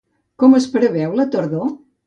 Com es preveu la tardor?